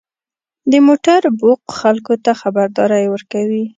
• د موټر بوق خلکو ته خبرداری ورکوي.